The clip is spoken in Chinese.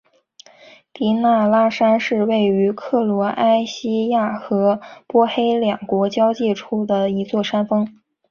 迪纳拉山是位于克罗埃西亚和波黑两国交界处的一座山峰。